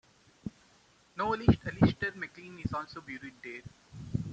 Novelist Alistair MacLean is also buried there.